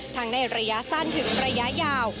ในระยะสั้นถึงระยะยาว